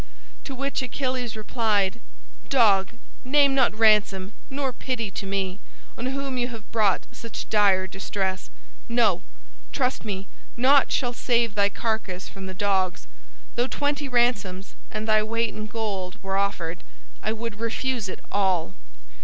To which Achilles replied, "Dog, name not ransom nor pity to me, on whom you have brought such dire distress. No! trust me, naught shall save thy carcass from the dogs. Though twenty ransoms and thy weight in gold were offered, I would refuse it all."